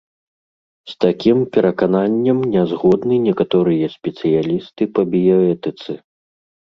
З такім перакананнем нязгодны некаторыя спецыялісты па біяэтыцы.